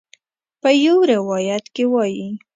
په یو روایت کې وایي.